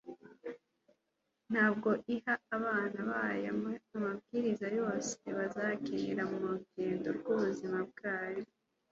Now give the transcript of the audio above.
Ntabwo iha abana bayo amabwiriza yose bazakenera mu rugendo rw'ubuzima bwabo